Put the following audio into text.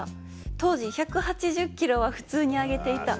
当時１８０キロは普通にあげていた。